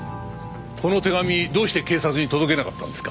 この手紙どうして警察に届けなかったんですか？